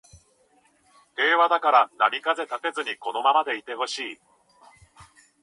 平和だから波風立てずにこのままでいてほしい